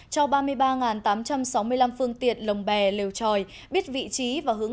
cho ba mươi ba tám trăm sáu mươi năm phương tiện lồng bán